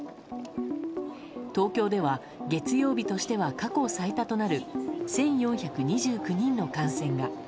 東京では月曜日としては過去最多となる１４２９人の感染が。